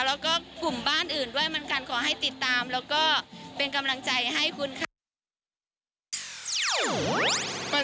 แล้วก็กลุ่มบ้านอื่นด้วยเหมือนกันขอให้ติดตามแล้วก็เป็นกำลังใจให้คุณค่ะ